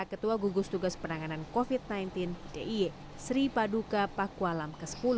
ketua gugus tugas penanganan covid sembilan belas d i e sri paduka pakualam ke sepuluh